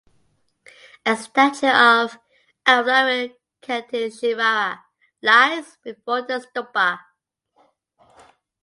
A statue of Avalokiteshvara lies before the stupa.